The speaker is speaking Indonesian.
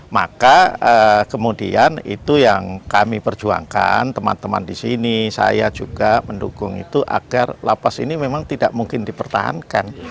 maka kemudian itu yang kami perjuangkan teman teman di sini saya juga mendukung itu agar lapas ini memang tidak mungkin dipertahankan